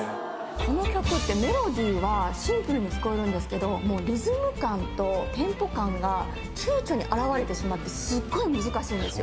この曲ってメロディーはシンプルに聞こえるんですけどリズム感とテンポ感が顕著に現れてしまってすっごい難しいんですよ